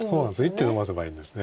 １手のばせばいいんです。